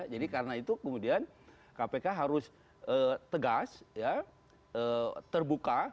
jadi karena itu kemudian kpk harus tegas terbuka